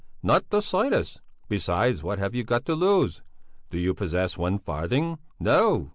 "Not the slightest! Besides what have you got to lose? Do you possess one farthing? No!